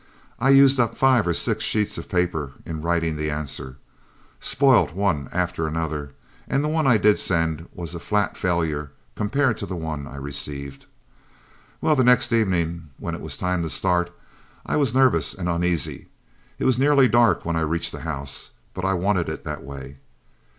I used up five or six sheets of paper in writing the answer, spoilt one after another, and the one I did send was a flat failure compared to the one I received. Well, the next evening when it was time to start, I was nervous and uneasy. It was nearly dark when I reached the house, but I wanted it that way.